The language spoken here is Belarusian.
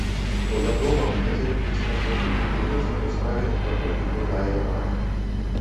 Ну, вядома, мы хацелі б быць настолькі крутымі ў сваёй справе, наколькі крутая яна.